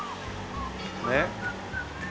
ねっ。